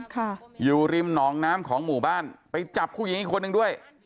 ค่ะอยู่ริมหนองน้ำของหมู่บ้านไปจับผู้หญิงอีกคนนึงด้วย